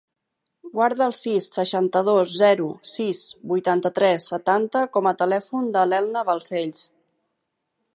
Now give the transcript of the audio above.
Guarda el sis, seixanta-dos, zero, sis, vuitanta-tres, setanta com a telèfon de l'Elna Balcells.